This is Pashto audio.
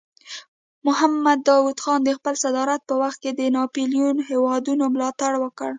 محمد داود خان د خپل صدارت په وخت کې د ناپېیلو هیوادونو ملاتړ وکړ.